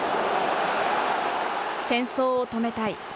戦争を止めたい。